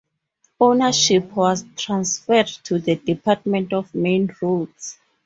Ownership was transferred to the Department of Main Roads.